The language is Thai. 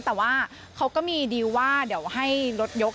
แต่ว่าเขาก็มีดีลว่าเดี๋ยวให้รถยก